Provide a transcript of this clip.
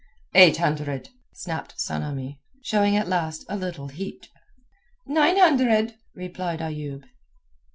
"Eight hundred," snapped Tsamanni, showing at last a little heat. "Nine hundred," replied Ayoub.